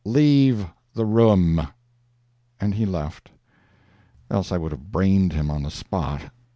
"Leave the room!" And he left—else I would have brained him on the spot.